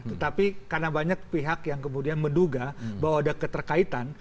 tetapi karena banyak pihak yang kemudian menduga bahwa ada keterkaitan